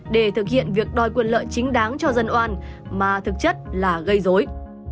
để thực hiện việc đòi quyền lợi chính đáng cho dân oan mà thực chất là gây dối